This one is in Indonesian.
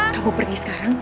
kamu pergi sekarang